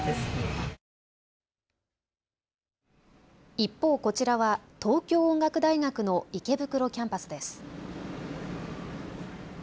一方、こちらは東京音楽大学の池袋キャンパスです。